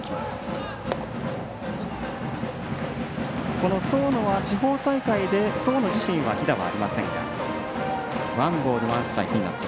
この僧野は地方大会で僧野自身は犠打はありません。